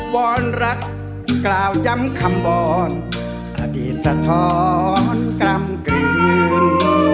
วอนรักกล่าวย้ำคำบอนอดีตสะท้อนกล้ำกลืน